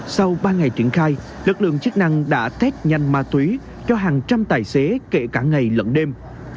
sau ba ngày triển khai lực lượng chức năng đã test nhanh ma túy cho hàng trăm tài xế kể cả ngày lẫn đêm